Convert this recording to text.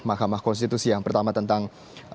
mahkamah konstitusi yang pertama tentang